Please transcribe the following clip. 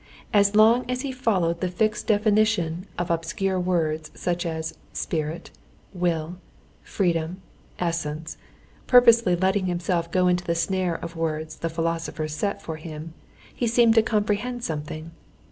As long as he followed the fixed definition of obscure words such as spirit, will, freedom, essence, purposely letting himself go into the snare of words the philosophers set for him, he seemed to comprehend something.